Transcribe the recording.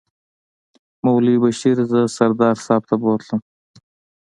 مولوي بشیر زه سردار صاحب ته بوتلم.